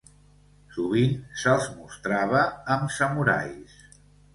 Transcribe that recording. Sovint se'ls mostrava amb samurais.